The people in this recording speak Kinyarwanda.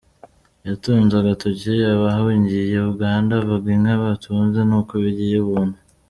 Yatunze agatoki abahungiye Uganda, avuga inka batunze n’uko bigeye Ubuntu.